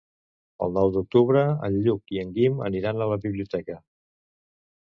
El nou d'octubre en Lluc i en Guim aniran a la biblioteca.